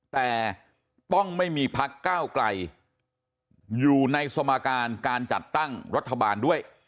แต่ต้องไม่มีพักก้าวไกลอยู่ในสมการการจัดตั้งรัฐบาลด้วย